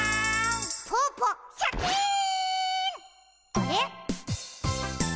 あれ？